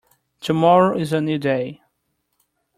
Tomorrow is a new day.